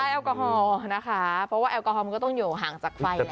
แอลกอฮอล์นะคะเพราะว่าแอลกอฮอลก็ต้องอยู่ห่างจากไฟแหละ